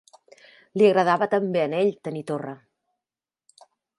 Li agradava també a n'ell tenir torra